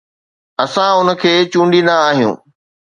اسان ان کي چونڊيندا آهيون